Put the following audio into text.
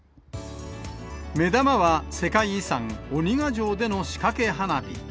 目玉は、世界遺産、鬼ヶ城での仕掛け花火。